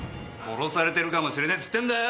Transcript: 殺されてるかもしれねえつってんだよ！